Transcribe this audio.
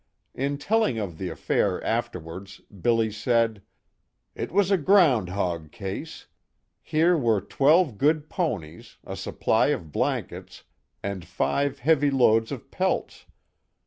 In telling of the affair afterwards, Billy said: "It was a ground hog case. Here were twelve good ponies, a supply of blankets, and five heavy loads of pelts.